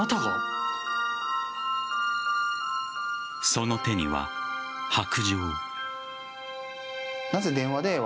その手には白杖。